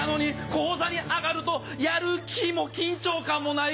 高座に上がるとやる気も緊張感もない